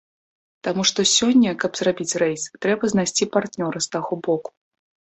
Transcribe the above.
Таму што сёння, каб зрабіць рэйс, трэба знайсці партнёра з таго боку.